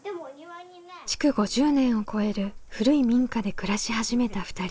築５０年を超える古い民家で暮らし始めた２人。